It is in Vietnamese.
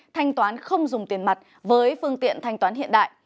thanh toán không dùng tiền mặt với phương tiện thanh toán hiện đại